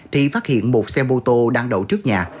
thì phát hiện một xe mô tô đang đậu trước nhà